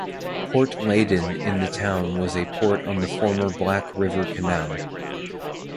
Port Leyden in the town was a port on the former Black River Canal.